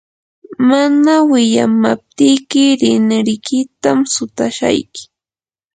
mana wiyamaptiyki rinrikitam sutashayki.